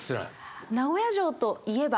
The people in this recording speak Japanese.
名古屋城といえば？